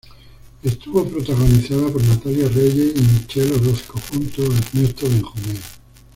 Estuvo protagonizada por Natalia Reyes y Michell Orozco, junto a Ernesto Benjumea.